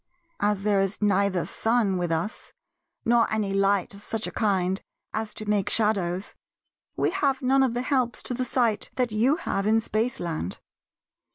As there is neither sun with us, nor any light of such a kind as to make shadows, we have none of the helps to the sight that you have in Spaceland.